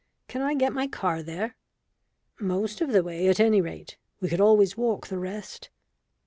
Can I get my car there?" "Most of the way at any rate we could always walk the rest."